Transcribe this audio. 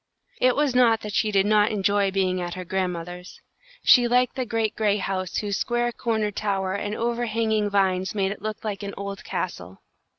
It was not that she did not enjoy being at her grandmother's. She liked the great gray house whose square corner tower and over hanging vines made it look like an old castle.